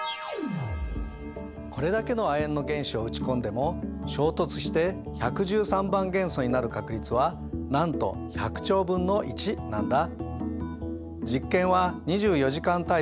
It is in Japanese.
これだけの亜鉛の原子を打ち込んでも衝突して１１３番元素になる確率はなんと１００兆分の１なんだ。